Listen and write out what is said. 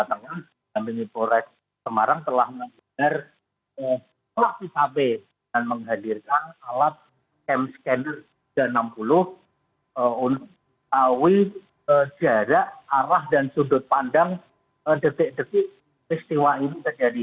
tengah di samping lampung semarang telah menghadirkan alat cam scanner tiga ratus enam puluh untuk mengetahui jarak arah dan sudut pandang detik detik peristiwa ini terjadi